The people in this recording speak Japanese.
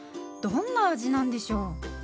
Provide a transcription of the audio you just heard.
どんな味なんでしょう。